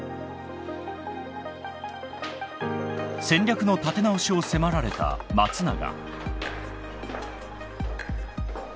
戦略の立て直しを迫られた松永。